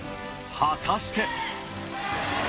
果たして。